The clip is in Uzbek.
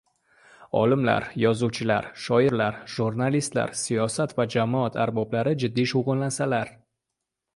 — olimlar, yozuvchilar, shoirlar, jurnalistlar, siyosat va jamoat arboblari jiddiy shug‘ullansalar